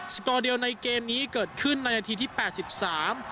สกอร์เดียวในเกมนี้เกิดขึ้นในนาทีที่แปดสิบสาม